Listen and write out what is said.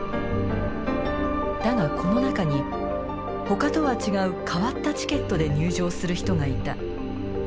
だがこの中にほかとは違う変わったチケットで入場する人がいた。